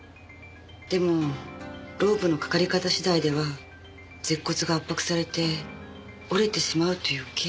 でもロープのかかり方次第では舌骨が圧迫されて折れてしまうというケースもなくはない。